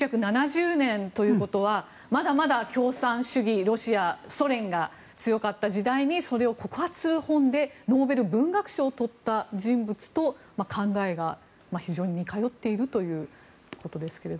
１９７０年ということはまだまだ共産主義ソ連が強かった時代にそれを告発する本でノーベル文学賞をとった人物と考えが非常に似通っているということですが。